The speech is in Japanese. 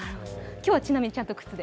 今日はちなみに、ちゃんと靴で。